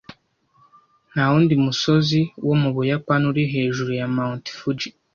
Nta wundi musozi wo mu Buyapani uri hejuru ya Mt. Fuji.